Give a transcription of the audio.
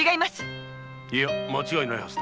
いや間違いないはずだ。